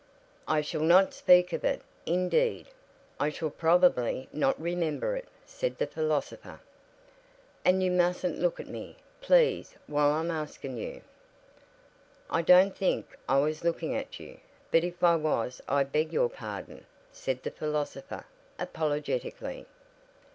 "I shall not speak of it; indeed, I shall probably not remember it," said the philosopher. "And you mustn't look at me, please, while I'm asking you." "I don't think I was looking at you, but if I was I beg your pardon," said the philosopher, apologetically.